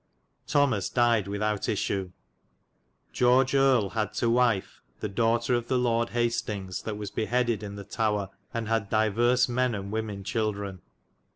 Thomas dyed without ysswe. George erle had to wyfe the dowghtar of the Lorde Hast ings that was behedid in the Towre, and had dyvers men and wymen children.